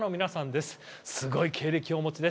すごい経歴を持ちです。